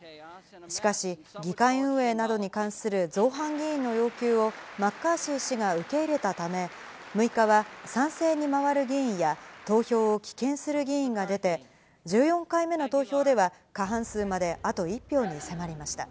しかし、議会運営などに関する造反議員の要求をマッカーシー氏が受け入れたため、６日は賛成に回る議員や、投票を棄権する議員が出て、１４回目の投票では過半数まであと１票に迫りました。